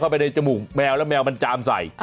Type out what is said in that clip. ไปในจมูกแมวแล้วแมวมันจามใส่